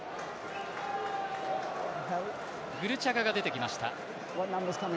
グルチャガが出てきました。